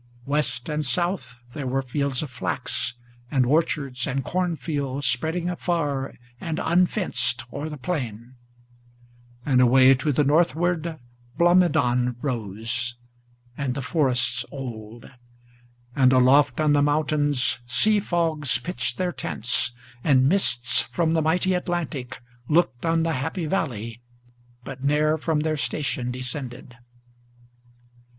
West and south there were fields of flax, and orchards and cornfields Spreading afar and unfenced o'er the plain; and away to the northward Blomidon rose, and the forests old, and aloft on the mountains Sea fogs pitched their tents, and mists from the mighty Atlantic Looked on the happy valley, but ne'er from their station descended.